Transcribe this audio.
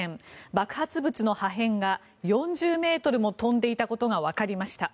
爆発物の破片が４０ｍも飛んでいたことがわかりました。